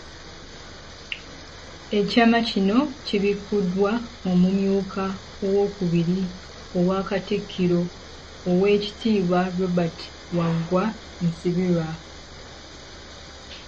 Ekyama kino kibikkuddwa omumyuka Owookubiri owa Katikkiro, Oweekitiibwa Robert Waggwa Nsibirwa.